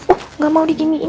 oh gak mau diginiin